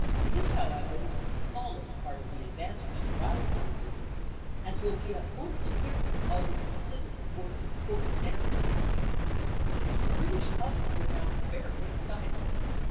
This, however, was the smallest part of the advantage derived from these interviews, as will be at once apparent to all who consider the force of Court example in England. The British public were now fairly excited.